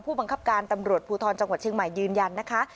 บังคับการตำรวจภูทรจังหวัดเชียงใหม่ยืนยันนะคะ